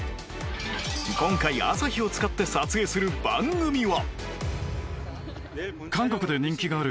今回朝日を使って撮影する番組は